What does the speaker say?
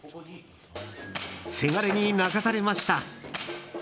せがれに泣かされました。